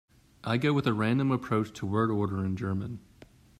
I go with a random approach to word order in German.